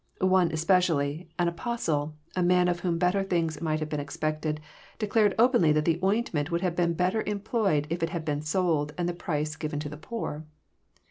One especially, an apostle, a man of whom better things might have been expected, declared openly that the ointment would have been better em ployed if it had been sold, and the price ^' given to the poor."